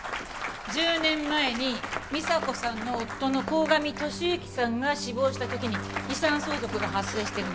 １０年前に美沙子さんの夫の鴻上利之さんが死亡した時に遺産相続が発生しているのよ。